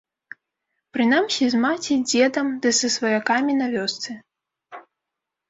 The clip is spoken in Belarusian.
Прынамсі, з маці, дзедам ды са сваякамі на вёсцы.